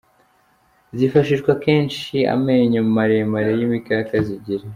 Zifashisha akenshi amenyo maremare y’imikaka zigira.